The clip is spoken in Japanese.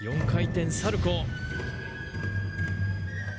４回転サルコウ。